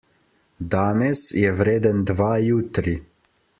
Danes je vreden dva jutri.